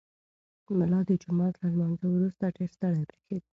ملا د جومات له لمانځه وروسته ډېر ستړی برېښېده.